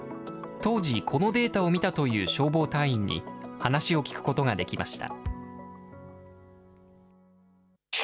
当時、このデータを見たという消防隊員に話を聞くことができました。